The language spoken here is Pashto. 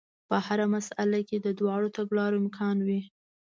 په هره مسئله کې د دواړو تګلارو امکان وي.